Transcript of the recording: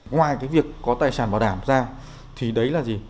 ngoài cái việc có tài sản bảo đảm ra thì đấy là gì